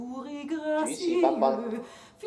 主次不分